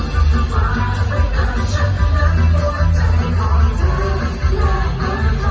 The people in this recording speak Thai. ว่าไม่รักฉันรักหัวใจของเธอแรกกว่าต่อโอ้โฮ